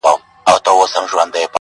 نن به څه خورې سړه ورځ پر تېرېدو ده-